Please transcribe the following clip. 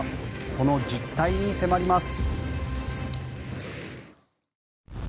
その実態に迫ります。